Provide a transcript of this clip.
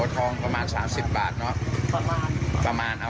คุณยายไม่ได้เอาไฟหมดเลยค่ะ